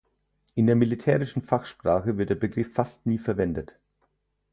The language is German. In der militärischen Fachsprache wird der Begriff fast nie verwendet.